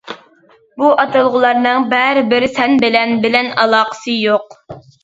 بۇ ئاتالغۇلارنىڭ بەرىبىر سەن بىلەن بىلەن ئالاقىسى يوق.